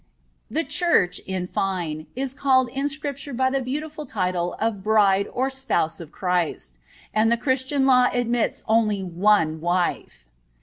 The Church, in fine, is called in Scripture by the beautiful title of bride or spouse of Christ,(25) and the Christian law admits only of one wife.